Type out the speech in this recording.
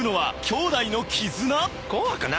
「怖くない。